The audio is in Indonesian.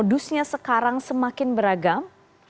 modusnya sekarang semakin beragam